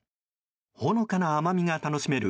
ほのかな甘みが楽しめる